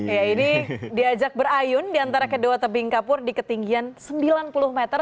ya ini diajak berayun di antara kedua tebing kapur di ketinggian sembilan puluh meter